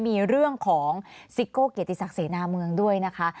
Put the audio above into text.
มีเรื่องของซิโก้เกียรติศักดิเสนาเมืองด้วยนะคะ